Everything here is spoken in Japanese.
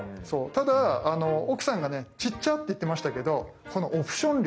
ただ奥さんがね「ちっちゃっ！」って言ってましたけどこのオプション料ね